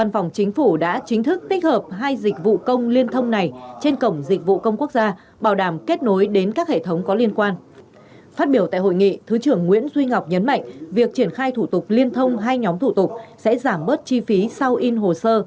phát biểu tại hội nghị thứ trưởng nguyễn duy ngọc nhấn mạnh việc triển khai thủ tục liên thông hai nhóm thủ tục sẽ giảm bớt chi phí sau in hồ sơ